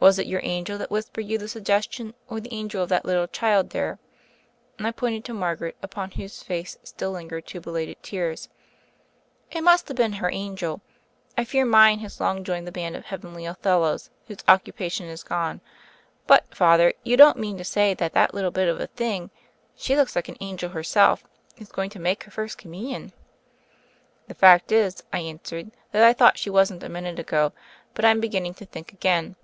"Was it your angel that whispered you the suggestion, or the angel of that little child there?" and I pointed to Margaret, upon whose face still lingered two belated tears. "It must have been her angel: I fear mine has long joined the band of heavenly Othellos whose occupation is gone. But, Father, you don't mean to say that that little bit of a thing — she looks like an angel herself — is going to make her First Communion !" "The fact Is," I answered, "that I thought she wasn't a minute ago: but I'm beginning to think again.